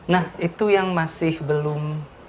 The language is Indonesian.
nah itu yang masih belum